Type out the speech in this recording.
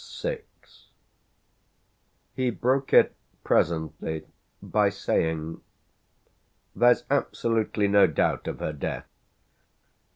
VI He broke it presently by saying: "There's absolutely no doubt of her death?"